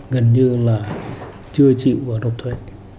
gần như là chưa chịu vào độc thuế